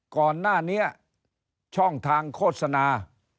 ก่อนหน้านี้ช่องทางโฆษณา